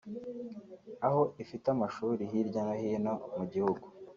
aho ifite amashuri hirya no hino mu gihugu